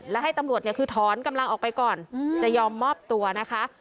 และให้ตำรวจเนี่ยคือถอนกำลังออกไปก่อนจะยอมมอบตัวนะคะ